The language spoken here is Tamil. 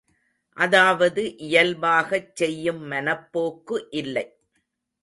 அதாவது இயல்பாகச் செய்யும் மனப்போக்கு இல்லை.